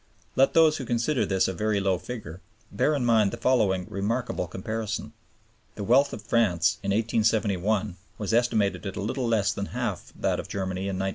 Let those who consider this a very low figure, bear in mind the following remarkable comparison. The wealth of France in 1871 was estimated at a little less than half that of Germany in 1913.